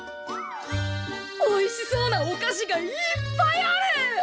おいしそうなお菓子がいっぱいある！